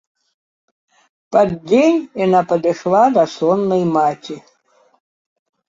Пад дзень яна падышла да соннай маці.